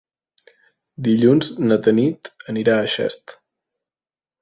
Dilluns na Tanit anirà a Xest.